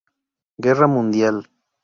Guerra Mundial.